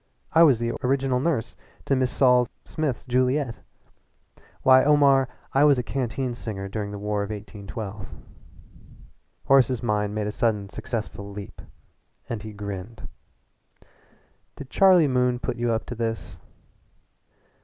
I was the original nurse to Mrs. Sol Smith's Juliette. Why, Omar, I was a canteen singer during the War of 1812." Horace's mind made a sudden successful leap, and he grinned. "Did Charlie Moon put you up to this?"